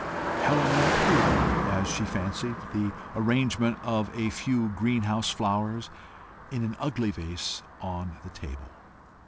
Helen improved, as she fancied, the arrangement of a few green house flowers in an ugly vase on the table.